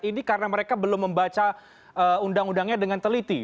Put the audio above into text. ini karena mereka belum membaca undang undangnya dengan teliti